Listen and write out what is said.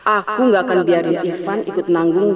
aku gak akan biarin ivan ikut nanggung